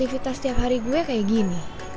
aktivitas setiap hari gue kayak gini